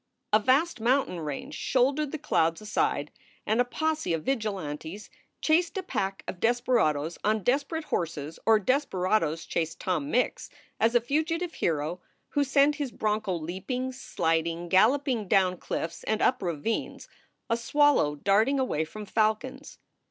A vast mountain range shouldered the clouds aside and a posse of vigilantes chased a pack of desperadoes on desper ate horses or desperadoes chased Tom Mix as a fugitive hero who sent his broncho leaping, sliding, galloping down cliffs and up ravines, a swallow darting away from falcons.